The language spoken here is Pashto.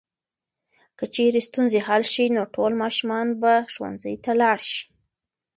که چېرې ستونزې حل شي نو ټول ماشومان به ښوونځي ته لاړ شي.